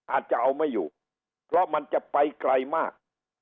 อาจจะเอาไม่อยู่เพราะมันจะไปไกลมาก